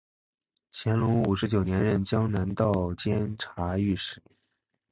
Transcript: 乾隆五十九年任江南道监察御史。